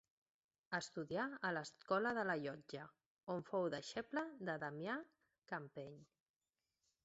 Estudià a l'Escola de la Llotja, on fou deixeble de Damià Campeny.